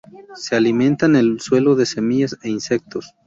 Se alimenta en el suelo de semillas e insectos.